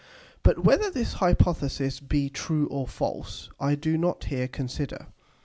But whether this Hypothesis be true or false I do not here consider.